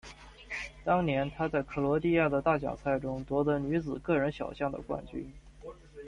当年她在克罗地亚的大奖赛中夺得女子个人小项的冠军。